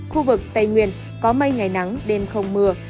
khu vực tây nguyên có mây ngày nắng đêm không mưa